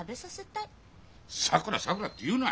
さくらさくらって言うな！